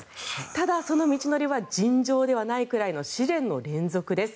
ただ、その道のりは尋常ではないくらいの試練の連続です。